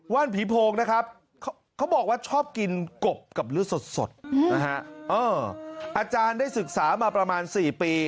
นผีโพงนะครับเขาบอกว่าชอบกินกบกับลื้อสดนะฮะอาจารย์ได้ศึกษามาประมาณ๔ปี